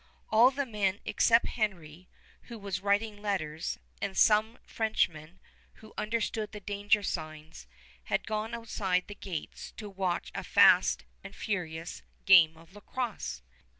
All the men except Henry, who was writing letters, and some Frenchmen, who understood the danger signs, had gone outside the gates to watch a fast and furious game of lacrosse.